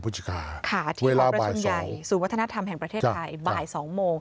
๑๙พฤศจิกายนค่ะเวลาบ่าย๒ค่ะสู่วัฒนธรรมแห่งประเทศไทยบ่าย๒โมง